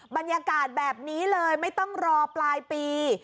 บรรยากาศแบบนี้เลยไม่ต้องรอปลายปี